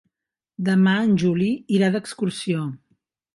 Demà en Juli irà d'excursió.